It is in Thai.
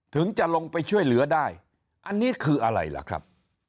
ถึงจะลงไปช่วยเหลือได้อันนี้คืออะไรล่ะครับ